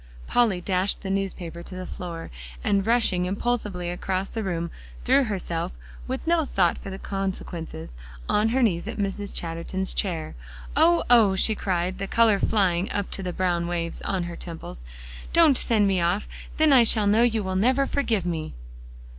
Polly dashed the newspaper to the floor, and rushing impulsively across the room, threw herself, with no thought for the consequences, on her knees at Mrs. Chatterton's chair. "Oh oh!" she cried, the color flying up to the brown waves on her temples, "don't send me off; then I shall know you never will forgive me."